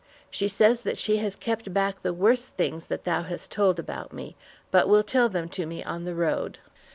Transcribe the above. She says that she has kept back the worst things that thou hast told about me, but will tell them to me on the road."